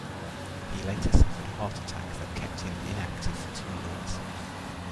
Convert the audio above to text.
He later suffered a heart attack that kept him inactive for two years.